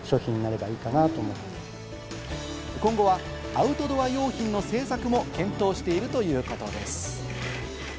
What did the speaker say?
今後はアウトドア用品の製作も検討しているということです。